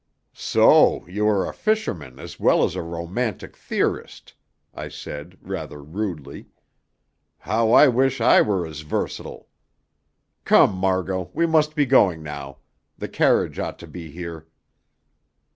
"So you are a fisherman as well as a romantic theorist!" I said, rather rudely. "How I wish I were as versatile! Come, Margot, we must be going now. The carriage ought to be here."